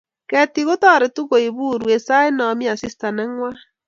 ketik kotoretuu kuibuu urwee sait namii asista nengwan